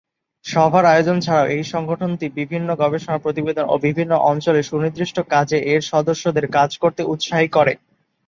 সভার আয়োজন ছাড়াও এই সংগঠনটি বিভিন্ন গবেষণা প্রতিবেদন ও বিভিন্ন অঞ্চলে সুনির্দিষ্ট কাজে এর সদস্যদের কাজ করতে উৎসাহী করে।